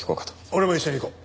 俺も一緒に行こう。